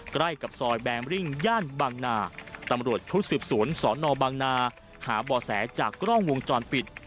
ใกล้กับซอยแบมริ่งย่านบางนาตำรวจชุดสืบสวนสนบางนาหาบ่อแสจากกล้องวงจรปิด